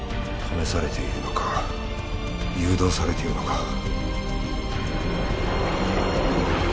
試されているのか誘導されているのか。